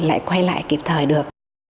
lại quay lại kịp thời được